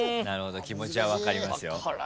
気持ちは分かりますよ。